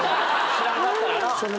知らんかったらな。